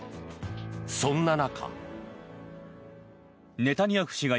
そんな中。